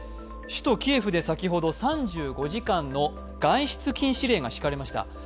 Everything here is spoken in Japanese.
首都キエフで先ほど３５時間の外出禁止令が敷かれました。